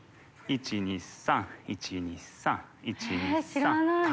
・２・３１・２・３１・２・３。